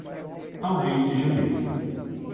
Talvez seja mesmo